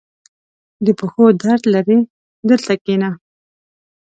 • د پښو درد لرې؟ دلته کښېنه.